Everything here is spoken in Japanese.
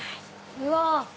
うわ！